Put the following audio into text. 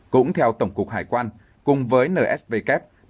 cũng theo tổng cục hải quan cùng với nsvk